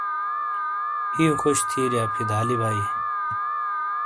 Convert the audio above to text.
ہِئیو خوش تھِیاریا، فدا علی بھائی